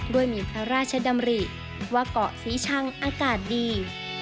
ด้วยมีพระราชดำริว่าเกาะศรีชังอากาศดี